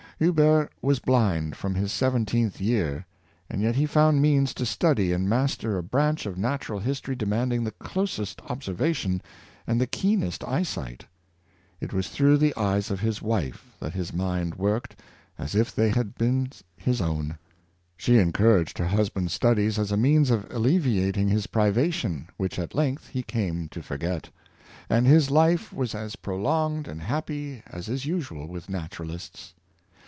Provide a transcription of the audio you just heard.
Huber was blind from his seventeenth year, and yet he found means to study and master a branch of natural history demanding the closest observation and the keenest eyesight. It was through the eyes of 576 Sir William and Lady Hamilton, his wife that his mind worked as if they had been his own. She encouraged her husband's studies as a means of alleviating his privation, which at length he came to forget; and his life was as prolonged and happy as is usual with naturalists.